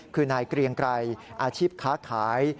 คือนายเกรียงไกรอาชีพค้าขาย